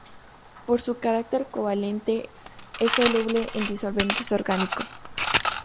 Por su carácter covalente, es soluble en disolventes orgánicos.